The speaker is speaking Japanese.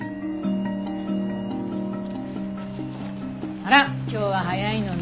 あら今日は早いのね。